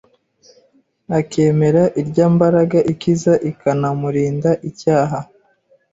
akemera irya mbaraga ikiza ikanamurinda icyaha.